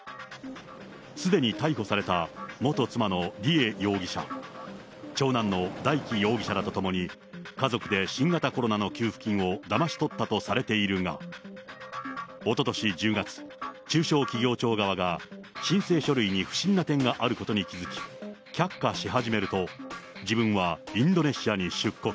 すでに逮捕された元妻の梨恵容疑者、長男の大祈容疑者らと共に、家族で新型コロナの給付金をだまし取ったとされているが、おととし１０月、中小企業庁側が、申請書類に不審な点があることに気付き、却下し始めると、自分はインドネシアに出国。